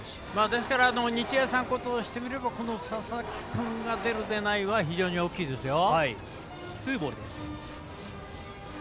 ですから日大三高としてみればこの佐々木君が出る出ないは非常に大きいですよ。